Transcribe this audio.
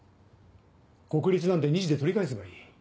国立なんて２次で取り返せばいい。